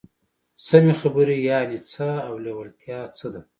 سمې خبرې يانې څه او لېوالتيا څه ده؟